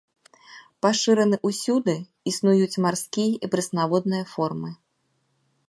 Пашыраны ўсюды, існуюць марскія і прэснаводныя формы.